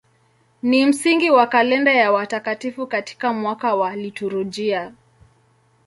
Ni msingi wa kalenda ya watakatifu katika mwaka wa liturujia.